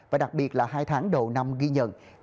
và đặc biệt là hai tháng đầu năm ghi nhận